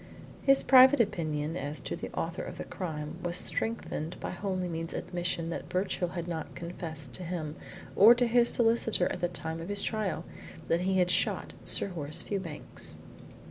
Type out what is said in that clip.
His private opinion as to the author of the crime was strengthened by Holymead's admission that Birchill had not confessed to him or to his solicitor at the time of his trial that he had shot Sir Horace Fewbanks.